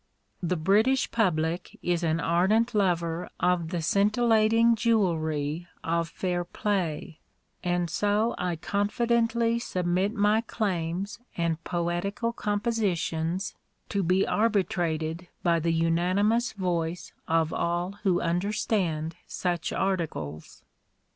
The British public is an ardent lover of the scintillating jewellery of fair play, and so I confidently submit my claims and poetical compositions to be arbitrated by the unanimous voice of all who understand such articles.